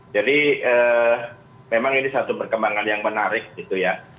memang ini satu perkembangan yang menarik gitu ya